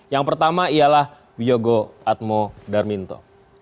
yang pertama ialah wiyogo atmo darminto